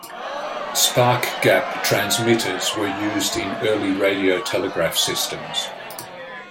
Spark-gap transmitters were used in early radio telegraph systems.